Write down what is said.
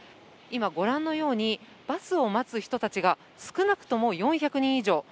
今、御覧のようにバスを待つ人たちが、少なくとも４００人以上。